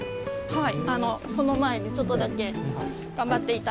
はい。